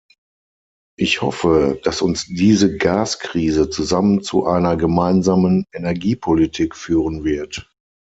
Ich hoffe, dass uns diese Gaskrise zusammen zu einer gemeinsamen Energiepolitik führen wird.